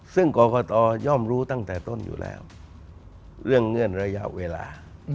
ซึ่งกรกตย่อมรู้ตั้งแต่ต้นอยู่แล้วเรื่องเงื่อนระยะเวลา